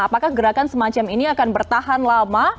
apakah gerakan semacam ini akan bertahan lama